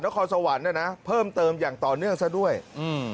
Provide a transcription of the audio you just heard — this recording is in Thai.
นครสวรรค์น่ะนะเพิ่มเติมอย่างต่อเนื่องซะด้วยอืม